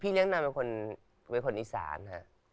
พี่เลี้ยงนั้นเป็นคนอีสานค่ะ